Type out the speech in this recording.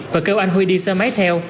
và kêu anh huy đi xe máy theo